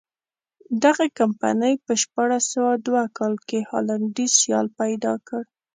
دغې کمپنۍ په شپاړس سوه دوه کال کې هالنډی سیال پیدا کړ.